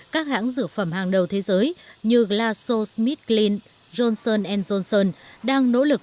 các hãng dược phẩm hàng đầu thế giới như glaxosmithkline johnson johnson đang nỗ lực